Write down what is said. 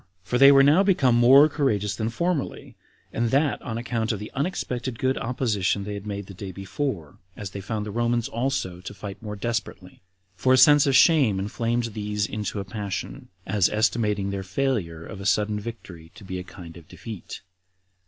For they were now become more courageous than formerly, and that on account of the unexpected good opposition they had made the day before, as they found the Romans also to fight more desperately; for a sense of shame inflamed these into a passion, as esteeming their failure of a sudden victory to be a kind of defeat.